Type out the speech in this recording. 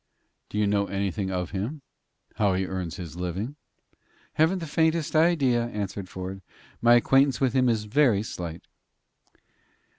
"Do you know anything of him how he earns his living?" "Haven't the faintest idea," answered Ford. "My acquaintance with him is very slight."